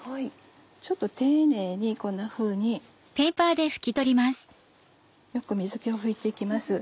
ちょっと丁寧にこんなふうによく水気を拭いて行きます。